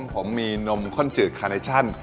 ผมมีนมข้นจืดคาเนชั่น